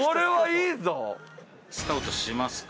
スカウトしますか？